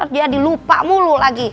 dia dilupa mulu lagi